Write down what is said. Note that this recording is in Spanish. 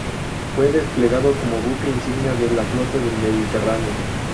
Fue desplegado como buque insignia de la Flota del Mediterráneo.